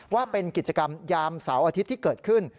ว่าเป็นกิจกรรมยามเสาร์อาทิตย์ที่เกิดขึ้น